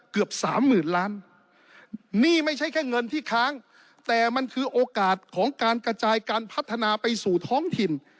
เกือบสามหมื่นล้านนี่ไม่ใช่แค่เงินที่ค้างแต่มันคือโอกาสของการกระจายการพัฒนาไปสู่ท้องถิ่น